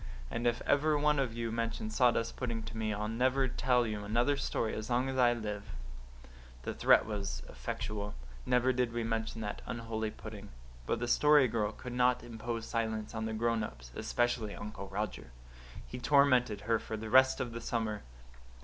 And if ever one of you mentions sawdust pudding to me I'll never tell you another story as long as I live." The threat was effectual. Never did we mention that unholy pudding. But the Story Girl could not so impose silence on the grown ups, especially Uncle Roger. He tormented her for the rest of the summer.